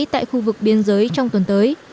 tại khu vực biên giới trong tuần tới